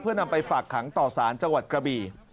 เพื่อนำไปฝากขังต่อสารจังหวัดกระบี่